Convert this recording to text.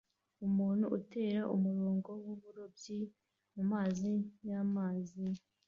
Umuntu atera umurongo w'uburobyi mumazi y'amazi